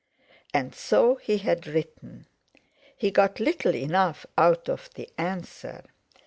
And so he had written. He got little enough out of the answer.